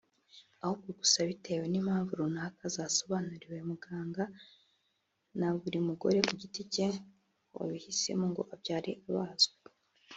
ahubwo gusa bitewe n’impamvu runaka zasobanuriwe muganga na buri mugore ku giti cye wabihisemo ngo abyare abazwe